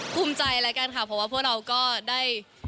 ภูมิใจแล้วกันค่ะเพราะว่าพวกเราก็ได้